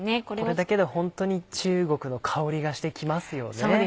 これだけでホントに中国の香りがしてきますよね。